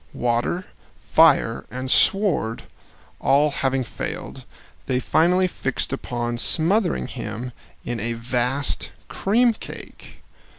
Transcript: Water, fire, and sword all having failed, they finally fixed upon smothering him in a vast cream cake.